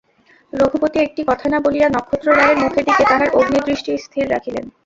রঘুপতি একটি কথা না বলিয়া নক্ষত্ররায়ের মুখের দিকে তাঁহার অগ্নিদৃষ্টি স্থির রাখিলেন।